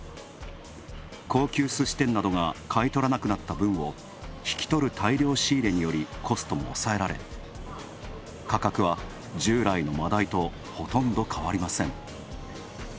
高級すし店などが買い取らなくなった分を引き取る大量仕入れによりコストも抑えられ価格は従来のマダイとほとんど変わりません。